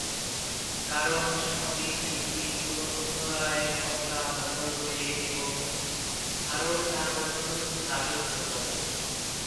কারণ সামরিক শক্তি পুনরায় ক্ষমতা দখল করে এবং আরও চার বছর রাজত্ব করে।